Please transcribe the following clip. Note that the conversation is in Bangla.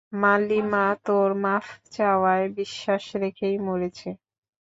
মাল্লি মা তোর মাফ চাওয়ায় বিশ্বাস রেখেই মরেছে।